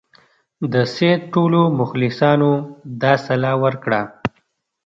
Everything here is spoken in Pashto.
د سید ټولو مخلصانو دا سلا ورکړه.